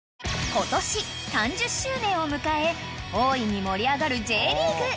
［今年３０周年を迎え大いに盛り上がるＪリーグ］